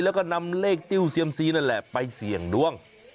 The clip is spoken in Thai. แล้วก็นำเลขติ้วเซียมซีนั่นแหละไปเสี่ยงดวง